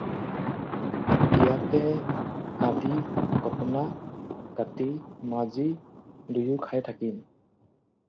ইয়াতে আধি-কটনা কাটি মা-জী দুয়ো খাই থাকিম।